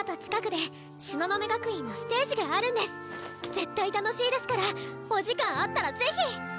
絶対楽しいですからお時間あったら是非！